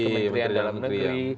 kementerian dalam negeri